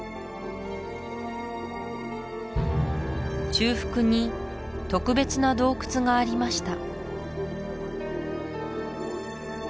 中腹に特別な洞窟がありました